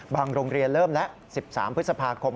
โรงเรียนเริ่มแล้ว๑๓พฤษภาคม